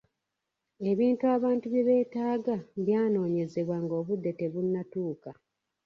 Ebintu abantu bye beetaaga byanoonyezebwa ng'obudde tebunnatuuka.